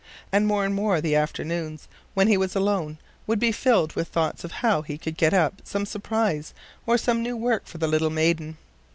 And more and more the afternoons, when he was alone, would be filled with thoughts of how he could get up some surprise or some new work for the little maiden.